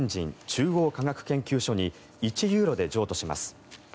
中央科学研究所に１ユーロで譲渡します。